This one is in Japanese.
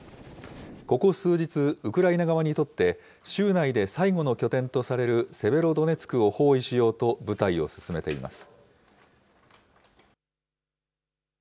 ここ数日、ウクライナ側にとって、州内で最後の拠点とされるセベロドネツクを包囲しようと部隊を進めています。